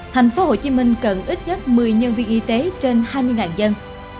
tp hcm cần ít nhất một mươi nhân viên y tế trên hai mươi dân